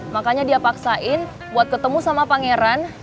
makanya dia paksain buat ketemu sama pangeran